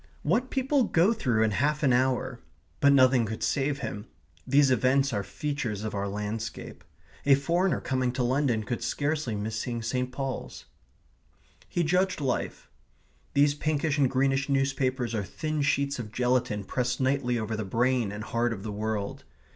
(What people go through in half an hour! But nothing could save him. These events are features of our landscape. A foreigner coming to London could scarcely miss seeing St. Paul's.) He judged life. These pinkish and greenish newspapers are thin sheets of gelatine pressed nightly over the brain and heart of the world.